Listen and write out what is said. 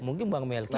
mungkin bang melki